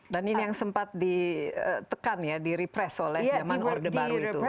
dan ini yang sempat ditekan ya direpress oleh zaman orde baru itu